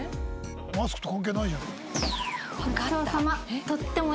「マスクと関係ないじゃん」